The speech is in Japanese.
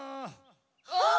あっ！